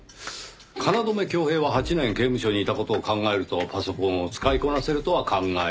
京匡平は８年刑務所にいた事を考えるとパソコンを使いこなせるとは考えづらい。